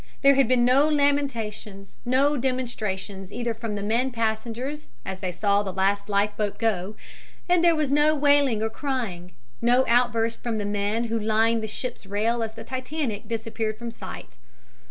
There had been no lamentations, no demonstrations either from the men passengers as they saw the last life boat go, and there was no wailing or crying, no outburst from the men who lined the ship's rail as the Titanic disappeared from sight.